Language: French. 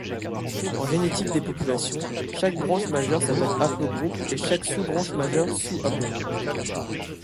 En génétique des populations, chaque branche majeure s'appelle haplogroupe et chaque sous-branche majeure sous-haplogroupe.